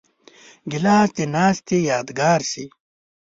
ګیلاس د ناستې یادګار شي.